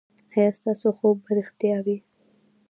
ایا ستاسو خوب به ریښتیا وي؟